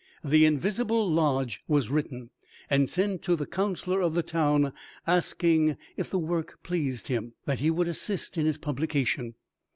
The "Invisible Lodge" was written and sent to the Counsellor of the town, asking, if the work pleased him, that he would assist in its publication.